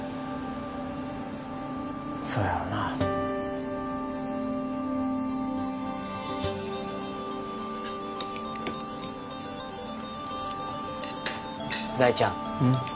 そうやろな大ちゃんうん？